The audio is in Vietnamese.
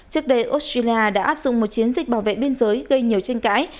trước đây australia đã áp dụng một chiến dịch bảo vệ biên giới gây nhiều tranh cãi